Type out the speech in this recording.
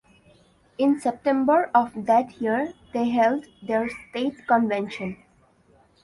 In September of that year they held their state convention.